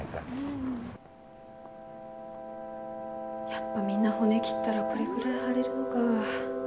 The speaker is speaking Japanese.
やっぱみんな骨切ったらこれぐらい腫れるのか。